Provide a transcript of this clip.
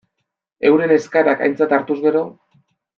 Euren eskaerak aintzat hartuz gero.